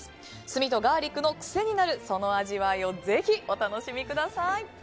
炭とガーリックの癖になるその味わいをぜひお楽しみください。